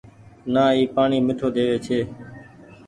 نآ اي پآڻيٚ ميٺو ۮيوي ڇي ۔